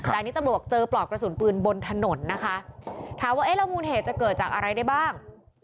แต่อันนี้ตำรวจเจอปลอกกระสุนปืนบนถนนนะคะถามว่าเอ๊ะแล้วมูลเหตุจะเกิดจากอะไรได้บ้าง